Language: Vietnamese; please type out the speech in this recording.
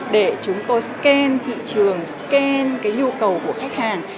để chúng tôi scan thị trường scan cái nhu cầu của khách hàng